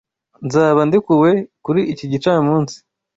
Nzaba ndekuwe kuri iki gicamunsi.